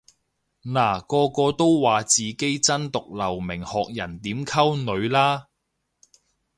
嗱個個都話自己真毒留名學人點溝女啦